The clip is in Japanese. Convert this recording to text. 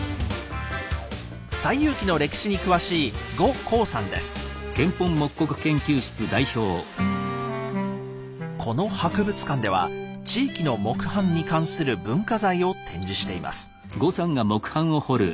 「西遊記」の歴史に詳しいこの博物館では地域の木版に関する文化財を展示しています。